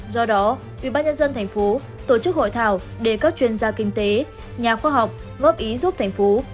do đó ubnd tp hcm tổ chức hội thảo để các chuyên gia kinh tế nhà khoa học góp ý giúp tp hcm